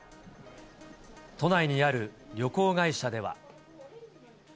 都内にある旅行会社では。